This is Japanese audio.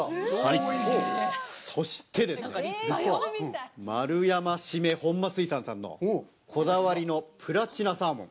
そしてですね、マルヤマシメ本間水産さんのこだわりのプラチナサーモン。